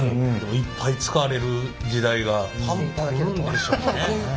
いっぱい使われる時代が多分来るんでしょうね。